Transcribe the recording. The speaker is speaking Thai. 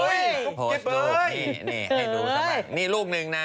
นี่ให้ดูซะว่างนี่ลูกนึงนะ